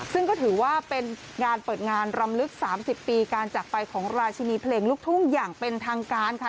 ซึ่งก็ถือว่าเป็นงานเปิดงานรำลึก๓๐ปีการจากไปของราชินีเพลงลูกทุ่งอย่างเป็นทางการค่ะ